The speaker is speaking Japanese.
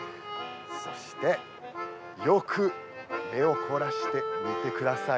そして、よく目を凝らして見てください。